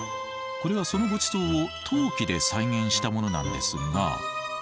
これはそのご馳走を陶器で再現したものなんですが。